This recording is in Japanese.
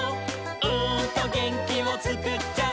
「うーんとげんきをつくっちゃう」